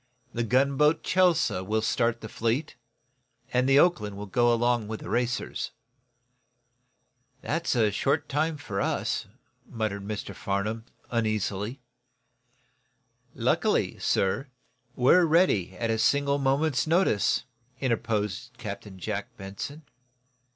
The gunboat, 'Chelsea' will start the fleet, and the 'Oakland' will go along with the racers." "That's short time for us," muttered Mr. Farnum, uneasily. "Luckily, sir, we're ready, at a single moment's notice," interposed Captain Jack Benson.